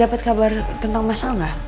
dapet kabar tentang masalah gak